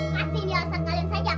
pasti ini alasan kalian saja